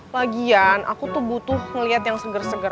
lagian aku tuh butuh ngeliat yang seger seger